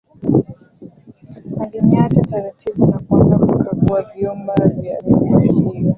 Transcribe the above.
Alinyata taratibu na kuanza kukagua vyumba vya nyumba hiyo